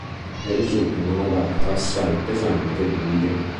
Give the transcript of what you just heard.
Ne risulta una navata assai pesante e buia.